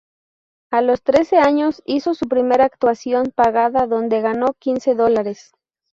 A los trece años hizo su primera actuación pagada donde ganó quince dólares.